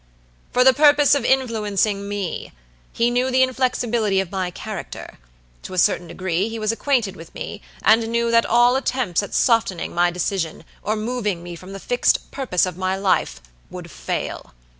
"For the purpose of influencing me. He knew the inflexibility of my character; to a certain degree he was acquainted with me, and knew that all attempts at softening my decision, or moving me from the fixed purpose of my life, would fail.